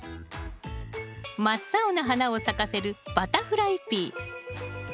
真っ青な花を咲かせるバタフライピー。